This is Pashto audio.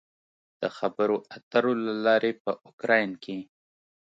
د خبرو اترو له لارې په اوکراین کې